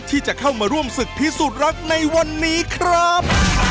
ที่จะเข้ามาร่วมศึกพิสูจน์รักในวันนี้ครับ